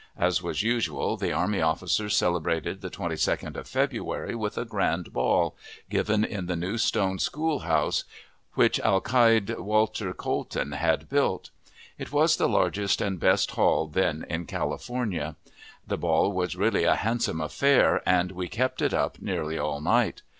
As was usual, the army officers celebrated the 22d of February with a grand ball, given in the new stone school house, which Alcalde Walter Colton had built. It was the largest and best hall then in California. The ball was really a handsome affair, and we kept it up nearly all night.